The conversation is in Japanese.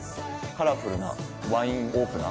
カラフルなワインオープナー。